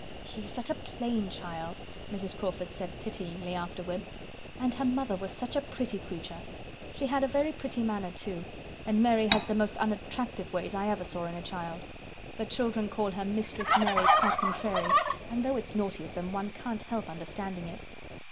"She is such a plain child," Mrs. Crawford said pityingly, afterward. "And her mother was such a pretty creature. She had a very pretty manner, too, and Mary has the most unattractive ways I ever saw in a child. The children call her 'Mistress Mary Quite Contrary,' and though it's naughty of them, one can't help understanding it."